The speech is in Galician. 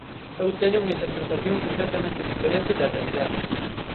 Eu teño unha interpretación completamente diferente da realidade.